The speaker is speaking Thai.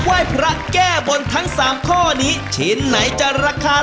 ไม่ต้องใช้เงินเยอะ